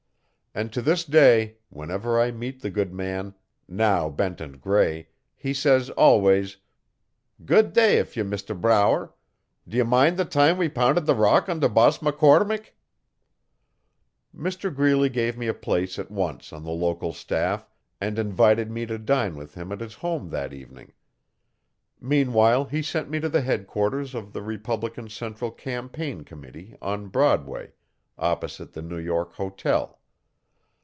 And to this day, whenever I meet the good man, now bent and grey, he says always, 'Good day to ye, Mr Brower. D'ye mind the toime we pounded the rock under Boss McCormick? Mr Greeley gave me a place at once on the local staff and invited me to dine with him at his home that evening. Meanwhile he sent me to the headquarters of the Republican Central Campaign Committee, on Broadway, opposite the New York Hotel.